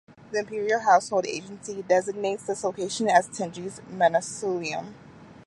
The Imperial Household Agency designates this location as Tenji's mausoleum.